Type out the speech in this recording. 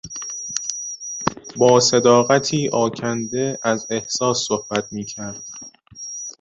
با صداقتی آکنده از احساس صحبت میکرد.